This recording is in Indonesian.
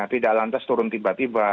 tidak lantas turun tiba tiba